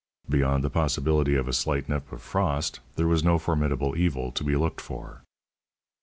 Beyond the possibility of a slight nip of frost, there was no formidable evil to be looked for.